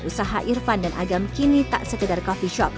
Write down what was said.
usaha irfan dan agam kini tak sekedar coffee shop